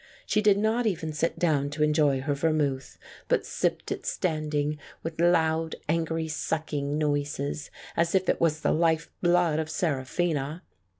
She did not even sit down to enjoy her vermouth, but sipped it stand ing, with loud, angry sucking noises, as if it was the life blood of Seraphina.